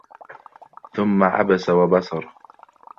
ثم عبس وبسر